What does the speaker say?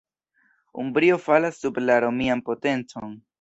Umbrio falas sub la romian potencon.